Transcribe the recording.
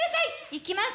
いきます！